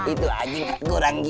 itu anjing gak kurang gini